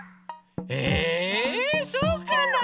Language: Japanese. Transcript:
えそうかなあ？